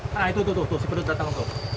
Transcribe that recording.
nah itu si penduduk datang